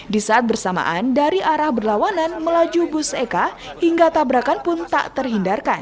di saat bersamaan dari arah berlawanan melaju bus eka hingga tabrakan pun tak terhindarkan